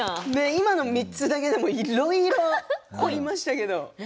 今の３つだけでもいろいろ濃いんですけど。